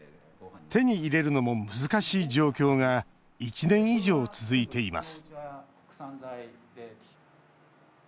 手に入れるのも難しい状況が１年以上続いています